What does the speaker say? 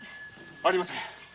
ありません。